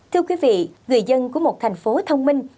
thưa quý vị người dân của một thành phố thông minh